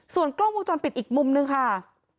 ส่วนกล้องวงจรปิดอีกมุมนึงค่ะ